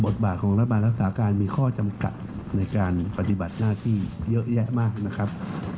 บาทของรัฐบาลรักษาการมีข้อจำกัดในการปฏิบัติหน้าที่เยอะแยะมากนะครับ